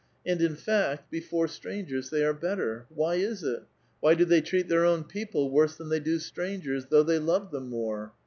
And in fact, before strangers they are better. Why is it? Why do they treat their own people worse than they do strangers, though they love them more?